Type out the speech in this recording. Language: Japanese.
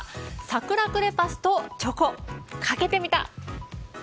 サクラクレパスとチョコかけてみた！